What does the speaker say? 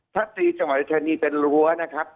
ทัศนีจังหวัดอุทัยธานีเป็นรั้วนะครับ